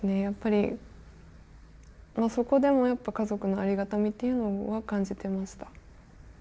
やっぱりそこでもやっぱ家族のありがたみっていうのは感じてました。